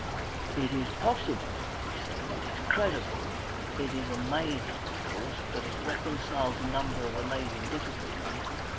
"It is possible," he said. "It is credible. It is amazing, of course, but it reconciles a number of amazing difficulties.